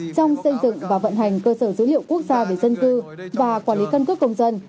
trong xây dựng và vận hành cơ sở dữ liệu quốc gia về dân cư và quản lý cân cước công dân